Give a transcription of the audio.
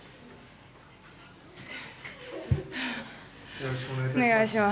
よろしくお願いします。